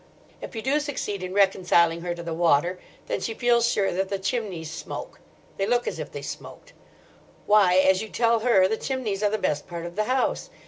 If you do succeed in reconciling her to the water, then she feels sure that the chimneys smoke; they look as if they smoked. Why—as you tell her—the chimneys are the best part of the house.